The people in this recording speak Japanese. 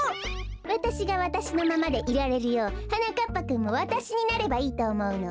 わたしがわたしのままでいられるようはなかっぱくんもわたしになればいいとおもうの。